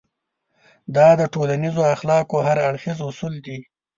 دا د ټولنيزو اخلاقو هر اړخيز اصول دی.